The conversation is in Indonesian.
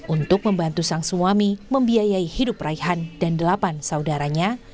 untuk membantu sang suami membiayai hidup raihan dan delapan saudaranya